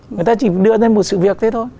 người ta chỉ đưa lên một sự việc thế thôi